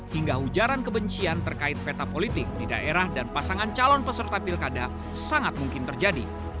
hingga ujaran kebencian terkait peta politik di daerah dan pasangan calon peserta pilkada sangat mungkin terjadi